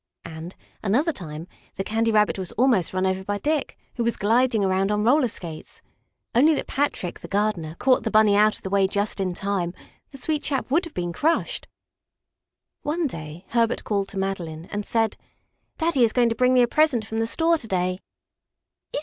And, another time, the Candy Rabbit was almost run over by Dick, who was gliding around on roller skates. Only that Patrick, the gardener, caught the Bunny out of the way just in time, the sweet chap would have been crushed. One day Herbert called to Madeline and said: "Daddy is going to bring me a present from the store to day."